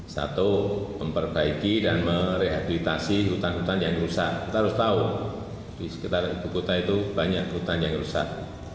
satu memperbaiki dan merehabilitasi hutan hutan yang rusak kita harus tahu di sekitar ibu kota itu banyak hutan yang rusak